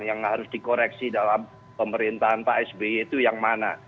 yang harus dikoreksi dalam pemerintahan pak sby itu yang mana